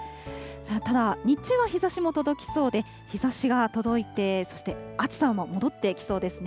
ただ、日中は日ざしも届きそうで、日ざしが届いて、そして暑さも戻ってきそうですね。